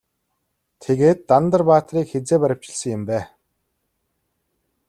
Тэгээд Дандар баатрыг хэзээ баривчилсан юм бэ?